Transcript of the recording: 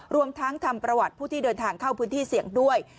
รวมทั้งทำประวัติผู้ที่เดินทางเข้าพื้นที่เสี่ยงด้วย